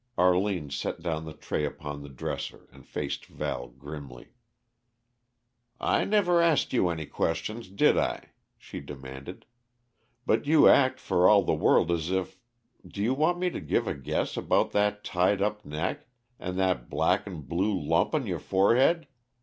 Arline set down the tray upon the dresser and faced Val grimly. "I never asked you any questions, did I?" she demanded. "But you act for all the world as if do you want me to give a guess about that tied up neck, and that black'n'blue lump on your forehead?